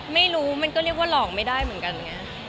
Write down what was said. ไม่รู้มันก็เรียกว่าหลอกไม่ได้เหมือนกันไง